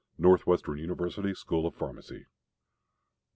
Northwestern University School of Pharmacy.